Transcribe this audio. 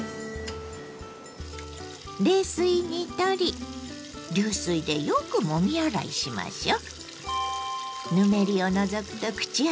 冷水にとり流水でよくもみ洗いしましょう。